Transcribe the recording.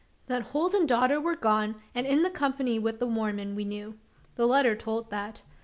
That Holt and his daughter were gone, and in company with the Mormon, we knew: the letter told that.